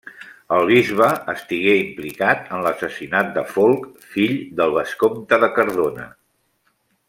El bisbe estigué implicat en l'assassinat de Folc, fill del vescomte de Cardona.